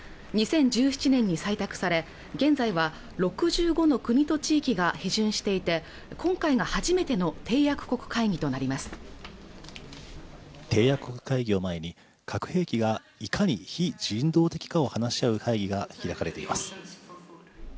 ２０１７年に採択され現在は６５の国と地域が批准していて今回が初めての締約国会議となります締約国会議を前に核兵器がいかに非人道的かを話し合う会議が開かれています